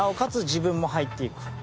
自分も入っていく。